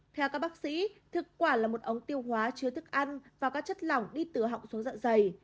theo các bác sĩ thực quả là một ống tiêu hóa chứa thức ăn và các chất lỏng đi từ họng xuống dạ dày